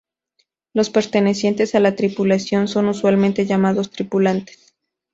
Los pertenecientes a la tripulación son usualmente llamados tripulantes.